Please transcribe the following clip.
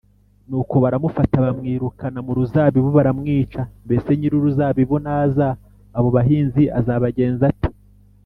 nuko baramufata bamwirukana mu ruzabibu, baramwica ‘mbese nyir’uruzabibu naza, abo bahinzi azabagenza ate?’